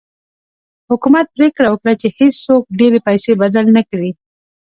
حکومت پرېکړه وکړه چې هېڅوک ډېرې پیسې بدل نه کړي.